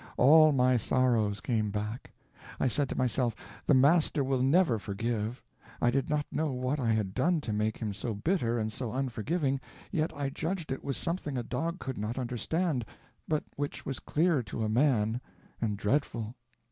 All my sorrows came back. I said to myself, the master will never forgive. I did not know what I had done to make him so bitter and so unforgiving, yet I judged it was something a dog could not understand, but which was clear to a man and dreadful.